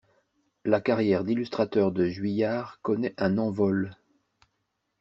La carrière d'illustrateur de Juillard connaît un envol.